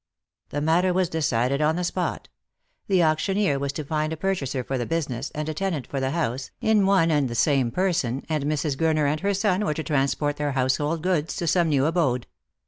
The matter was decided on the spot. The auctioneer was to find a purchaser for the business, and a tenant for the house, in one and the same person, and Mrs. Gurner and her son were to transport their household goods to some new abode.